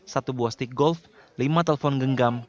satu buah stick golf lima telepon genggam